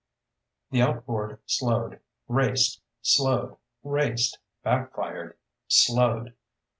The outboard slowed, raced, slowed, raced, back fired, slowed.